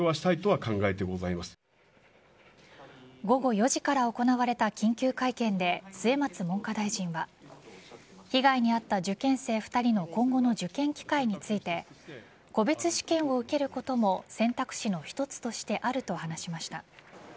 午後４時から行われた緊急会見で末松文科大臣は被害に遭った受験生２人の今後の受験機会について個別試験を受けることも選択肢の一つとしてあると話しました。